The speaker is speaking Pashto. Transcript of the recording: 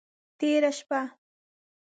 تیره شپه…